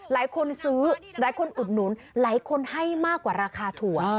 หลายคนซื้อหลายคนอุดหนุนหลายคนให้มากกว่าราคาถั่ว